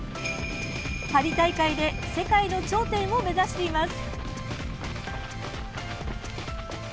パリ大会で世界の頂点を目指しています。